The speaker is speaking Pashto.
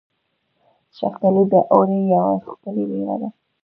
شفتالو د اوړي یوه ښکلې میوه ده.